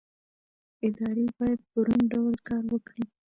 ادارې باید په روڼ ډول کار وکړي